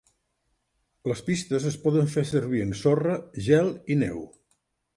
Les pistes es poden fer servir en sorra, gel i neu.